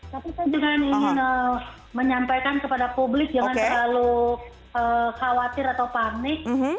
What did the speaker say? tapi saya dengan ingin menyampaikan kepada publik jangan terlalu khawatir atau panik